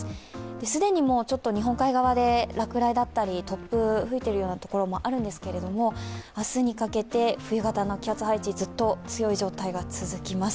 既にちょっと日本海側で落雷や突風が吹いているところがあるんですけども、明日にかけて冬型の気圧配置、ずっと強い状態が続きます。